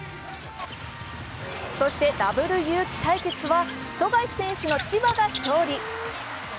そしてダブルユウキ対決は富樫選手の千葉が勝利。